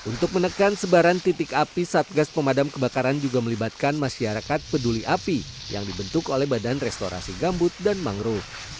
untuk menekan sebaran titik api satgas pemadam kebakaran juga melibatkan masyarakat peduli api yang dibentuk oleh badan restorasi gambut dan mangrove